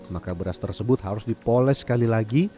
maka beras tersebut harus dipoles sekali lagi